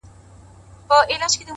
• نن ایله دهقان شیندلي دي تخمونه -